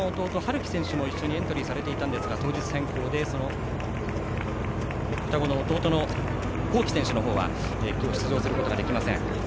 己選手も一緒にエントリーされていたんですが当日変更で双子の弟の昂己選手の方は出場することができません。